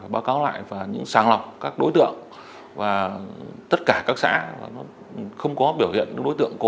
báo cáo lại và những sàng lọc các đối tượng